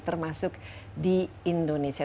termasuk di indonesia